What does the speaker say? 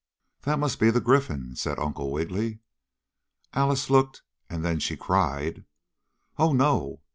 "That must be the Gryphon," said Uncle Wiggily. Alice looked, and then she cried: "Oh, no!